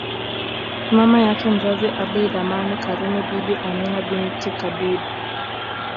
Mama yake mzazi Abeid Amani Karume Bibi Amina binti Kadudu